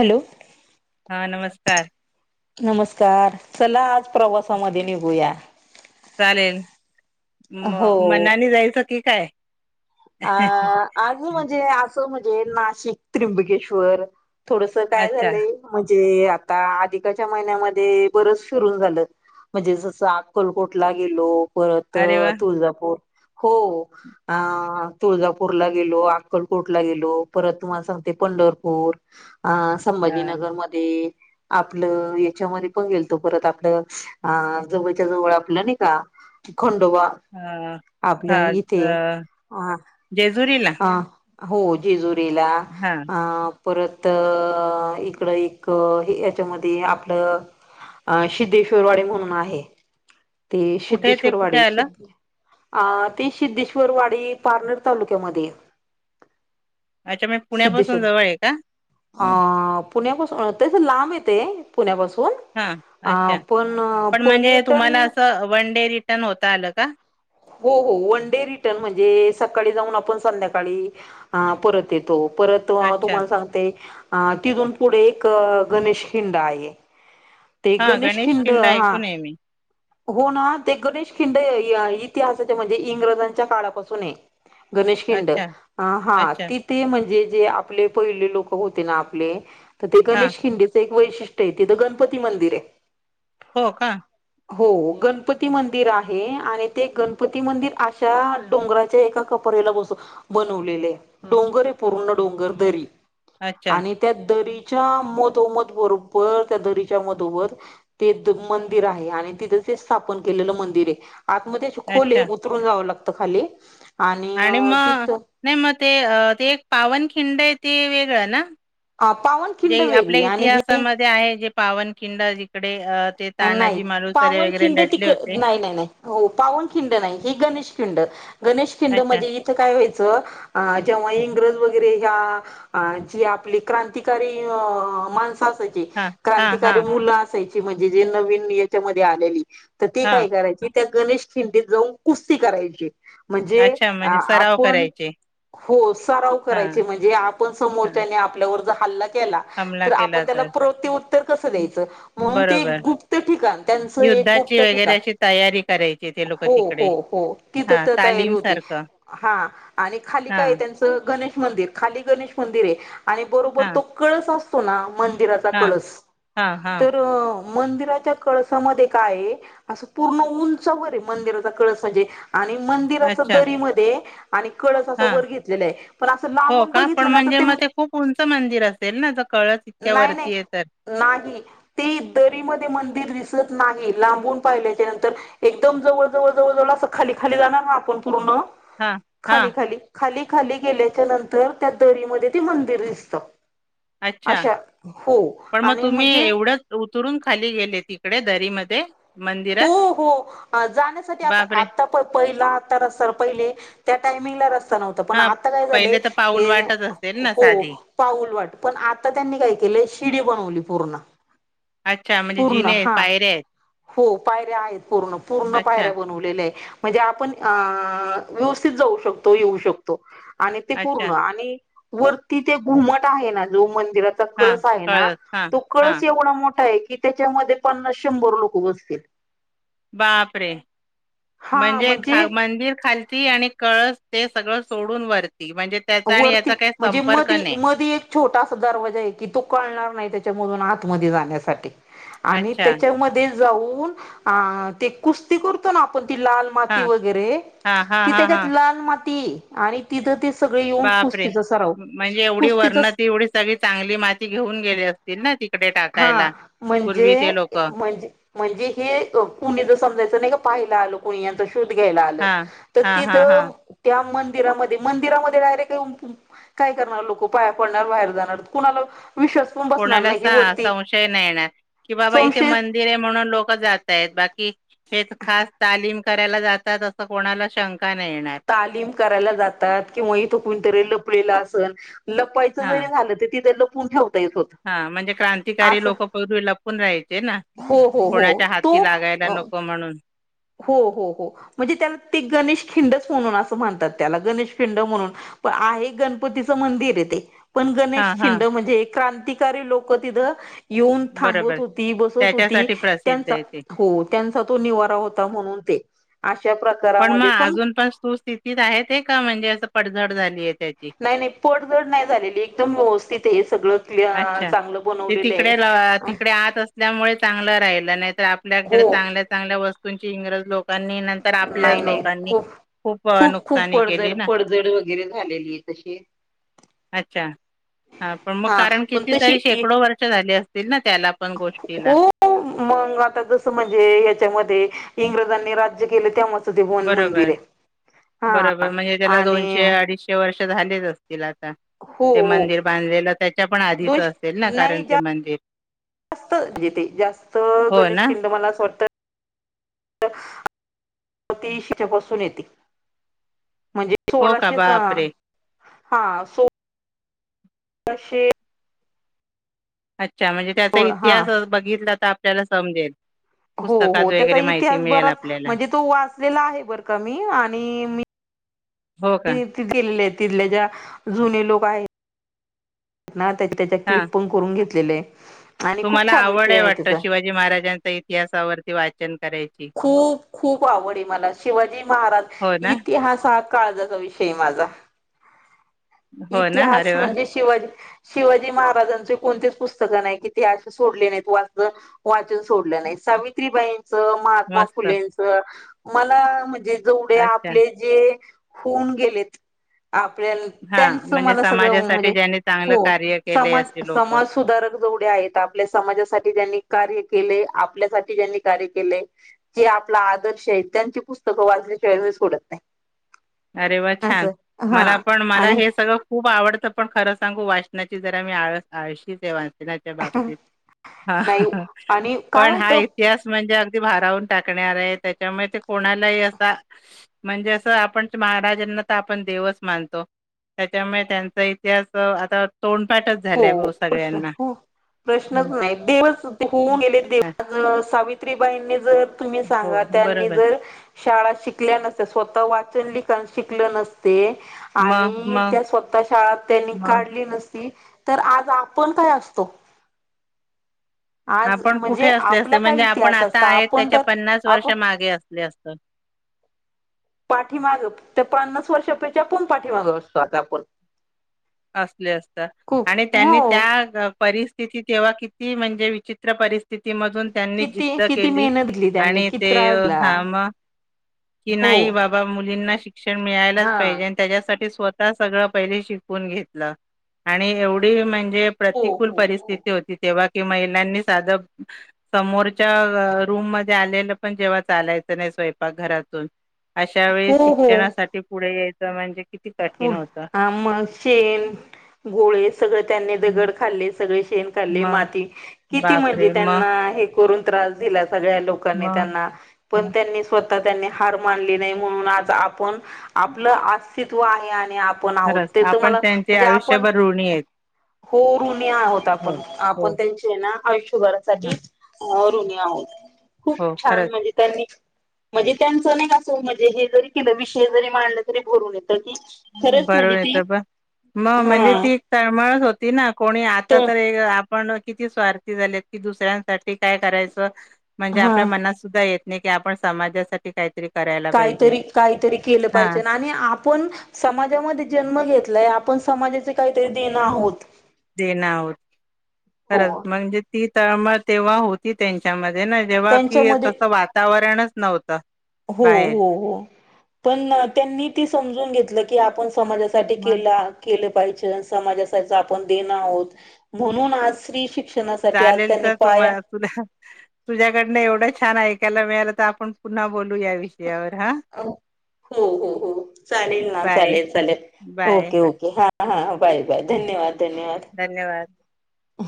Hello हा नमस्कार नमस्कार चला आज प्रवासामध्ये निघूया चालेल म हो मनाली जायचं की काय अ आज म्हणजे असं म्हणजे नाशिक त्र्यंबकेश्वर थोडस काय अच्छा झालंय म्हणजे आता अधिकाच्या महिन्यामध्ये बरच सुरून झालं म्हणजे जसं अकलकोटला गेलो परत अरे वा तुळजापूर हो तुळजापूरला गेलो अक्कलकोटला गेलो परत तुम्हाला सांगते पंढरपूर हा अ संभाजीनगरमध्येध्ये आपलं याच्यामध्ये पण गेल तो परत आपलं अ जवळच्या जवळ आपलं नाही का खंडोबा अ हा आपल्या इथे अ अ जेजुरीला हा हो जेजुरीला हा अ परत इकडं एक याच्यामध्ये आपलं अ सिद्धेश्वरवाडे म्हणून आहे ते कुठे ते सिद्धेश्वर कुठे वाडीि आलं? ते सिद्धेश्वर वाडी पारनेर तालुक्यामध्ये अच्छा मी पुण्यापासून सिद्धेश्वर जवळ आहे का अ पुण्यापासून त्याच लांब येते पुण्यापासून हा अ अच्छा पण पण म्हणजे तुम्हाला पर्यटन अस वन डे रिटन होता आलं का हो हो वन डे रिटर्न म्हणजे सकाळी जाऊन आपण संध्याकाळी परत येतो परत अच्छा तुम्हाला सांगते अ तिथून पुढे एक गणेश खिंडा आहे ते हा गणेश खिंड किल्ला हा ऐकून आहे मी. हो ना ते गणेश खिंडे इतिहासाचे म्हणजे इंग्रजांच्या काळापासून आहे गणेश खिंड अच्छा हा अच्छा तिथे म्हणजे आप पहिले लोक होते ना आपले तर ते हा गणेश खिंडी एक वैशिष्ट्य त ग िरपती मंदिर आहे हो का हो गणपती मंदिर आहे आणि ते गणपती मंदिर अशा डोंगराच्या एका कप बस बनवलेले आहे डोंगर आहे पूर्ण डोंगर दरी अच्छा आणि त्या दरीच्या मधमत बरोबर त्या दरी च्या ते मंदिर आहे आणि तिथ ते स्थापन केलेलं मंदिर आहे आतमध्ये खोले अच्छा उतरून जावं लागतं खाली आणि मग नाही मग ते ते एक पावन खिंड आहे ते वेगळं ना अ पावनखिंड जे आपल्या वेगळी आणि हे इतिहासामध्ये आहे जे पावनखिंड जिकडे अ, ते नाही तानाजी मालुसरे पावन वगैरे खिंड लढले तिक होते. नाही नाही नाही हो पावन खिंड नाही ह गणेश खिंड गणेश खिंड अच्छा. मध्येज इथं काय व्हाचं. अ जेव्हा इंग्रज वगैरे ह्या जे आपली क्रांतीकारी अ माणसं असाय हां, हां, क्रांतिकारी हां, मुलं असायची म्हणजे जे नवीन नियतीमध्ये आलेली. तर ती हां. काय करायची त्या गणेश खिंडीत जाऊन कुस्ती करायची. म्हणजे अच्छा अ म्हणजे सराव आपण करायचे. हो सराव करायचे हां, म्हणजे आपण हां. समोरच्याने आपल्यावर, हल्ला केला हमला तर केला आपण त्याला तर. प्रवृत्ती उत्तर कसं द्यायचं म्हणून ते एक बरोबर. गुप्त ठिकाण त्यांचं एक युद्धाची गुप्त ठिकाण वगरची तयारी करायची ते लोक हो तिकडे हो हो तिथं हा तर तयारी खाली काय हां, ग मिर खाली गणेश मंदिर आहे आणि बरोबर हां, तो कळस असतो ना, मंदिराचा हां, कळस हां, हां. तर मंदिराच्या कळसामध्ये काय असं पूर्ण उंचवर आहे मंदिराचा कळसा जे आणि मंदिर असं अच्छा. दरीमध्ये आणि कळस असं हां. वर घेतलेलं आहे पण असं हो लांबून का? पण बघितलं ना तर म्हणजे ते मग खूप उंच मंदिर असेल ना, जर कळस इतक्या नाही नाही वरती आहे तर नाही ते दरी मध्ये मंदिर दिसत नाही. लांबून पाहिल्याच्या नंतर एकदम जवळ जवळ जवळ जवळ खाली ाली जा पूर्ण हां, हां. खाली खाली खाली खाली गेल्याच्या नंतर त्या दरी म ते मंदिर दिसत. अच्छा. अशा हो आणि म्हणजे तुरून खाली गेले तिकडे दरी मध्ये हो हो जाण्यासाठी आ बापरे! आता पहिला आता रर पहिले त्या टायमिंगला र पण हां, आता काय पहिले तर पाऊल झा वाटच असेल ना हो साधी? पाऊल वाट पण आ त्यांनी काय केलं. शिडी बनवली पूर्ण अच्छा म्हणजे पूर्ण जिनेस हा पायऱ्या येत हो पायऱ्या आहेत पूर्ण पूर्ण पायऱ्या बनवलेल्या. म्हणजे आपण व्यवस्थित जाऊ शकतो येऊ शकतो. आणि ते पूर्ण अच्छा. आणि वरती ते घुमट आहे ना जो म्हण तो हां, कळस आहे ना, हां, तो कळस हां. एवढा मोठा आहे, की त्याचा मध्ये पन्नास शंभर लोकं उपस्थित बापरे म्हणजे खा मंदिर खालती आणि कळस ते सगळं सोडून वरते. वरती म्हणजे मधी नाही. मधी एक छोटासा दरवाजा आहे की तो कळणार नाही त्याच्या आत मध्ये जाण्यासाठी आणि अच्छा. त्याच्यामध्ये ऊन ते कुस्ती करतो ना आपण लाल माती हां, वैगरे हां, [unintelligible] [unintelligible] हां, त हां, त्याच्यात हां. लाल माती आणि तिथ बापरे म्हणजे एवढी कुस्तीचा वर्णती एवढी सगळी चांगली माती घेऊन गेले असतील ना तिकडे हा टाकायला, पूर्वी म्हणजे ते लोकं? म्हणजे म्हणजे हे कुणी ज समजायचं नाही. पहिला आला कोणी शोध घ्यायला आलं हां, तर हां, तिथ हां, हां. त्या मंदिरामध्ये मंदिरामध्ये डायरेक्ट काय करणार लोक पाया पडणार बाहेर जाणार कुणाला विश्वास पण बसणार कोणाला नाही की वरती संशय नाही येणार कि बाबा इथे संशय मंदिर आहे म्हणून लोक जातय बाकी हे खास तालीम करायला जातात असं कोणाला शंका नाही येणार. तालीम करायला जातात किंवा इथ कणीतरी लपलेलं असल लपायच जरी झालं. त त्यां ल हा म्हणजे क्रांतिकारी असं लोक पूर्वी लपून राहायचे ना, हो हो हो कोणाच्या हाती तो लागायला नको म्हणून, हो हो हो म्हणजे त्याला ते गणेश खिंडच म्हणून असं म्हणतात त्याला गणेश खिंड म्हणून पण आहे गणपतीचं मंदिर ये ते पण गणेश हां, हां. खछिंड म्हणजे क्रांतिकारी लोक तिथं येऊन थांबत बरोबर. होती बसत होती त्याच्यासाठी प्रसिद्ध त्यांचा आहे ते. हो त्यांचा तो निवारा होता म्हणून ते अशा पण प्रकारामध्ये मग अजून पण तूस्थितीत आहेत आहे का म्हणजे असं पडझड झालीय त्याची नाही नाही पडझड नाही झालेली एकदम व्यवस्थित आहे सगळं क्लिअ- अच्छा चांगलं ते बनवलेलं तिकडे आहे तिकडे आत असल्यामुळे चांगलं राहिलं नाही ल्याकडे हो चांगल्या चांगल्या वस्तूंची इंग्रज लोकांनी नंतर आपल्याच नाही नाही लोकांनी खूप अ, खूप खूप नुकसानी केली पडझड ना पडझड वगैरे झालेली आहे तशी अच्छा हा पण मग कारण पण किती तरी तशी शेकडो वर्ष झाले असतील ना त्याला पण हो गोष्टीला मग आता जस म्हणजे याच्यामध्ये इंग्रजांनी राज्य केले त्यामुळे बरोबर बरोबर म्हणजे त्याला आणि दोनशे अडीचशे वर्ष झालेच असतील हो ते हो मंदिर बांधलेलं त्याच्या पण आधीच असेल ना दोनशे कारण नाही ते जा मंदिर जास्त म्हजे ते जास्त हो गणेश ना खिंड मला असं वाटतं ती शच्यापासून येते म्हणजे हो का सोळाशेच बापरे हा सो अशे अच्छा म्हणजे त्याचा हा इतिहास बघितला तर आपल्याला समजेल हो हो पुस्तकात त्याचा वगैरे माहिती इतिहास मिळेल बराच आपल्याला म्हणजे तो वाचलेला आहे बर का मी आणि मी हो त का त गेलेली आहे तिथल्या ज्या जुने लोक आहेत त्या त्याच्या हा क्लिप पण करून घेतलेले आहे आणि खूप तुम्हाला छान आवड विषय आहे वाटत त्याचा शिवाजी महाराजांच्या इतिहासावरती वाचन करायच खूप खूप आवडे मला शिवाजी महाराज हो ना इतिहासात काळजाचा विषय माझा हो ना इतिहास अरे वा म्हणजे शिवाजी शिवाजी महाराजांचे कोणतीच पुस्तकं नाही की ते असे सोडले नाहीत वाच वाचन सोडलं नाहीत. सावित्रीबाईंच महात्मा मस्त फुलेंच मला म्हणजे जवढे अच्छा आपले जे- होऊन गेलेत आपल्या हा त्यांच म्हणजे मला सगळं म्हणजे समाजासाठी ज्यांनी चांगलं हो कार्य केले समाज असे लोक समाज सुधारक जेवढे आहेत आपल्या समाजासाठी जनी कार्य केले आपल्यासाठी ज्यांनी कार्य केले जे आपला आदर्श आहे त्यांची पुस्तकं वाचल्याशिवाय सोडत नाही अरे वा छान असं मला हा पण मला आणि हे सगळं खूप आवडत पण खरं सांगू वाचनाची जरा मी आळ आळशी बाबतीत नाही आणि काय पण हा होतं इतिहास म्हणजे भून टाक त्याच्या कोणाला अस म्हणजे अस आप महाराजांना तर आपण देवच मानतो त्याच्यामुळे त्यांचा इतिहास आता तोंडपाठच हो झालाय भाऊ प्रश्न सगळ्यांना. हो प्रश्नच हं. नाही देवस हं. होऊन गेले हां. सावित्रीबाईंनी जर तुम्ही हो, सांगा त्यांनी बरोबर. जर शाळा शिकल्या नस स्वतः चन लिख शिकल नसते मग, आणि मग, त्या स्वतः शाळ त्यांनी मग काढली नसते तर आज आपण काय असतो आज आपण कुठे म्हणजे असले असते आपला काय म्हणजे आपण इतिहास आता असत आहेत आपण त्याच्या तर आप वर्ष मागे असले असतो. पाठीमाग त्या पन्नास वर्षापेक्षा चपून पाठीमाग असतो आता आपण असले असत खूप आणि त्यांनी हो त्या परिस्थिती तेव्हा किती म्हणजे विचित्र परिस्थ स्थितीमधून त्यांनी किती जिद्द किती केली मेहनत घेतली त्यांनी आणि किती ते त्रास दिला ह म की हो. नाही बाबा मुलींना शिक्षण मिळायलाच हा पाहिजे आणि त्याच्यासाठी स्वतः आता सगळं पहिले शिकून घेतला आणि एवढी म्हणजे हो प्रतिकूल हो हो. परिस्थिती होती तेव्हा कि महिलांनी साध समोरच्या रूम मध्ये आलेलं पण जेव्हा चालायचं नाही स्वपाक घरातून अशा वेळी शिक्षणासाठी पुढे यायचं म्हणजे किती पु कठीण होतं मग शेण गोळे सगळे त्यांनी दगड खाल्ले म मग बापरे! मग कण त लोकांनी मग पण मग त्यां स् त्यांनी हार मानली नाही म्हण आज आपण आपलं अस्तित्व आहे आपण आहोत खरंच ते तर आपण मला त्यांचे म्हणजे आपण आयुष्यभर ऋणी आहेत. हो ऋणी आहोत हो, आपण हो. आपण त्यांचे ना आयुष्यभरासाठी हं, ऋणी आहोत. खूप हो छान खरंच म्हणजे त्यांनी. म्हणजे त्यांचं नाही असं म्हणजे हे जरी के विषय जरी मांडलं तरी भरून येत. बरोबर येत ब मग म्हणजे हा ती तळमळच होती ना कोणी. आता तर आपण किती स्वार्थी झालेत कि दुसऱ्यांसाठी काय करायचं. म्हणजे हा आपल्या मनात सुद्धा येत नाही की आपण समाजासाठी काय? काहीतरी काहीतरी केलं पाहिजे हां, आणि आपण- समाजामध्ये जन्म घेतलाय आपण समाजाचे काहीतरी देणं आहोत. देण आहोत खरं हो म्हणजे ती तळमळ तेव्हा होती त्यांच्यामध्ये. हे ना जेव्हा कि त्यांच्यामध्ये तसं वातावरणच नव्हतं. हो बाहेर. हो पण त्यांनी ते समजून घेतलं की आपण? समाजासाठी मग केला केलंय. बाईचरण समाजाच आपण देण आहोत म्हणून स्त्री शिक्षण- चालेल तर तुम्हाला तुला तुझ्याकडनं एवढं छान ऐक. ला मिळाल तर आपण पुन्हा बोलू या विषयावर हा? हो हो हो चालेल ना बाय चालेल चालेल बाय ओके ओके हा. हा बाय -बाय धन्यवाद धन्यवाद अ